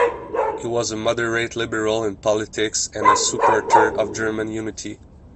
He was a moderate liberal in politics and a supporter of German unity.